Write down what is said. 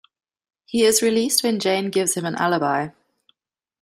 He is released when Jane gives him an alibi.